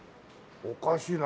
おかしいな。